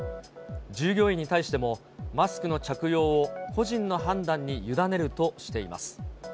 従業員に対しても、マスクの着用を個人の判断に委ねるとしています。